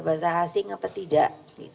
bahasa asing apa tidak